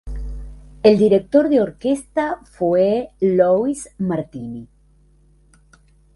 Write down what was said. El director de orquesta fue Louis Martini.